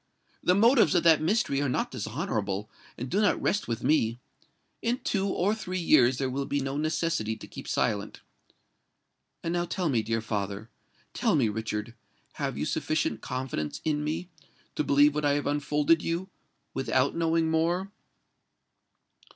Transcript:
The motives of that mystery are not dishonourable, and do not rest with me. In two or three years there will be no necessity to keep silent. And now tell me, dear father—tell me, Richard—have you sufficient confidence in me, to believe what I have unfolded you, without knowing more?"